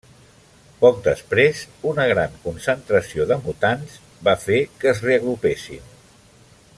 Poc després una gran concentració de mutants va fer que es reagrupessin.